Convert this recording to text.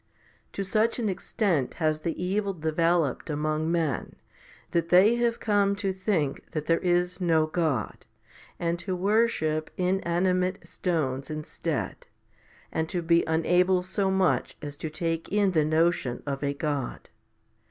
To such an extent has the evil developed among men, that they have come to think that there is no God, and to worship inanimate stones instead, and to be unable so much as to take in the notion of a God.